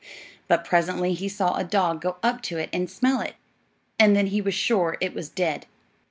But presently he saw a dog go up to it and smell it, and then he was sure it was dead.